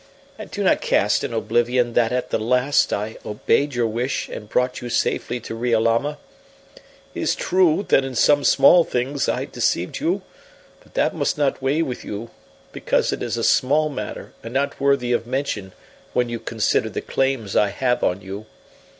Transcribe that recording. And do not cast in oblivion that at the last I obeyed your wish and brought you safely to Riolama. It is true that in some small things I deceived you; but that must not weigh with you, because it is a small matter and not worthy of mention when you consider the claims I have on you.